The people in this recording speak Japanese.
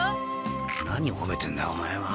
何褒めてんだオマエは。